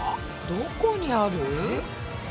どこにある？